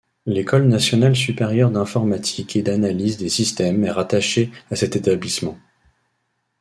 L'école nationale supérieure d'informatique et d'analyse des systèmes est rattachée à cet établissement.